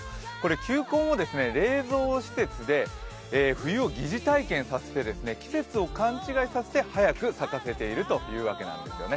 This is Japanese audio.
球根を冷蔵施設で冬を疑似体験させて季節を勘違いさせて早く咲かせているというわけなんですよね。